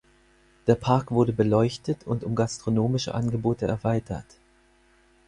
Der Park wurde beleuchtet und um gastronomische Angebote erweitert.